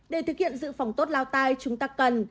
để thực hiện dự phòng tốt lao tai chúng ta cần